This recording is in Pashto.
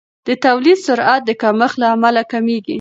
د تولید سرعت د کمښت له امله کمیږي.